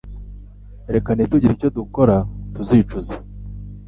Reka ntitugire icyo dukora tuzicuza